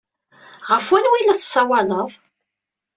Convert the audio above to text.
Ɣef wanwa ay la tessawaleḍ?